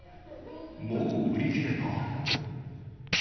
もう売り切れた？